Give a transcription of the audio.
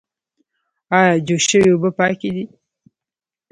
ایا جوش شوې اوبه پاکې دي؟